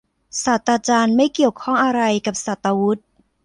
ศาสตราจารย์ ไม่ได้เกี่ยวข้องอะไรกับศาสตราวุธ